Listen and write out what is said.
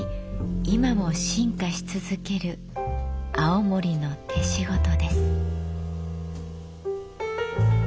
今も進化し続ける青森の手仕事です。